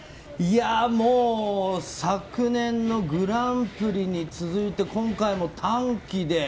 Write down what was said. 昨年のグランプリに続いて今回も単騎で。